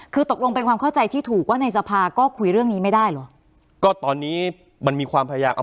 คือตกลงเป็นความเข้าใจที่ถูกว่าในสภาก็คุยเรื่องนี้ไม่ได้เหรอก็ตอนนี้มันมีความพยายามเอา